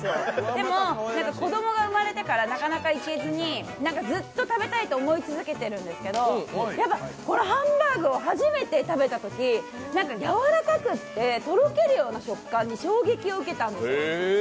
でも子供が生まれてからなかなか行けずにずっと食べたいと思い続けているんですけれどもこのハンバーグを初めて食べたときやわらかくてとろけるような食感で衝撃を受けたんです。